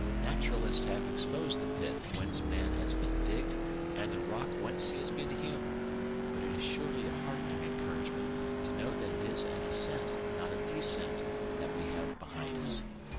Naturalists have exposed the pit whence man has been digged and the rock whence he has been hewn, but it is surely a heartening encouragement to know that it is an ascent, not a descent, that we have behind us.